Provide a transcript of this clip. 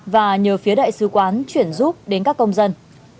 và nhờ phía đại sứ quán chuyển giúp đến các công dân